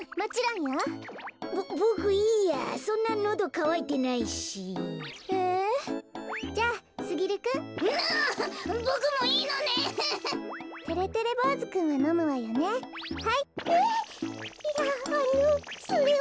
いやあのそれは。